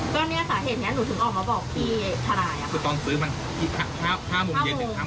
ก็เนี่ยสาเหตุเนี่ยหนูถึงออกมาบอกที่ทรายคือตอนซื้อมัน๕โมงเย็น๕โมง